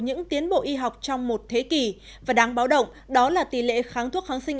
những tiến bộ y học trong một thế kỷ và đáng báo động đó là tỷ lệ kháng thuốc kháng sinh